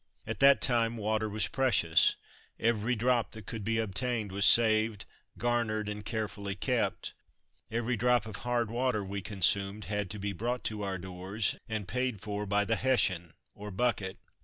At that time water was precious, every drop that could be obtained was saved, garnered, and carefully kept. Every drop of hard water we consumed had to be brought to our doors and paid for by the "Hessian" or bucket.